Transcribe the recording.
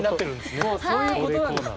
もうそういうことなんですね。